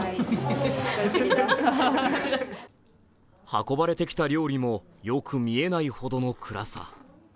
運ばれてきた料理もよく見えないほどの暗さ。